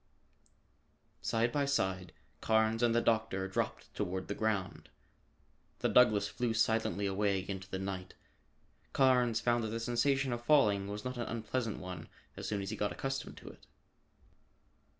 Side by side, Carnes and the doctor dropped toward the ground. The Douglass flew silently away into the night. Carnes found that the sensation of falling was not an unpleasant one as soon as he got accustomed to it.